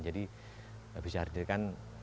jadi bisa dikatakan